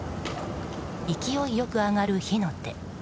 勢いよく上がる火の手。